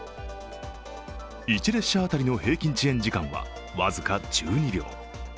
１列車当たりの平均遅延時間は僅か１２秒。